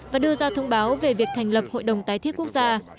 và đưa ra thông báo về việc thành lập hội đồng tái thiết quốc gia